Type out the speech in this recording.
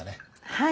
はい。